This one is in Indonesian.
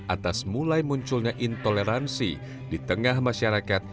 atas mulai munculnya intoleransi di tengah masyarakat